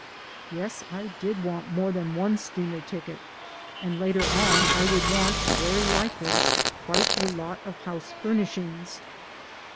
Yes, I did want more than one steamer ticket, and later on I would want, very likely, quite a lot of house furnishings.